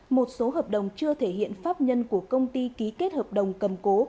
một số hợp đồng chưa thể hiện pháp nhân của công ty ký kết hợp đồng cầm cố